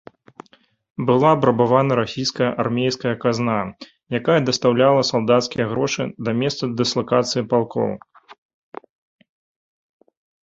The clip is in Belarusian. Была абрабавана расійская армейская казна, якая дастаўляла салдацкія грошы да месца дыслакацыі палкоў.